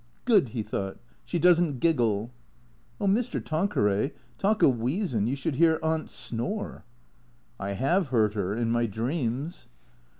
("Good," he thought; "she does n't giggle.") " Oh, Mr. Tanqueray, talk of w'eezin', you should hear Aunt snore." " I have heard her. In my dreams."